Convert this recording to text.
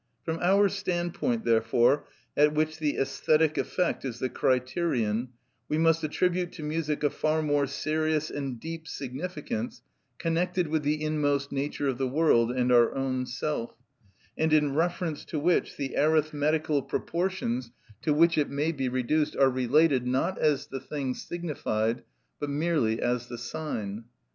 From our standpoint, therefore, at which the æsthetic effect is the criterion, we must attribute to music a far more serious and deep significance, connected with the inmost nature of the world and our own self, and in reference to which the arithmetical proportions, to which it may be reduced, are related, not as the thing signified, but merely as the sign.